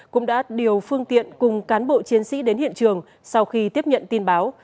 cũng đã điều phương tiện cùng cán bộ chiến sĩ đến hiện trường sau khi tiếp nhận tin báo